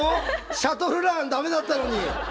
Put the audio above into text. シャトルランダメだったのに。